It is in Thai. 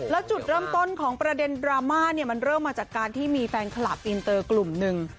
แล้วจุดเริ่มต้นของประเด็นดราม่าเนี่ยมันเริ่มมาจากการที่มีแฟนคลับอินเตอร์กลุ่มหนึ่ง